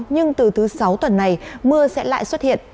nhưng từ thứ sáu tuần này mưa sẽ lại xuất hiện